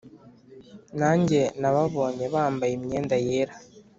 Nanjye nababonye bambaye imyenda yera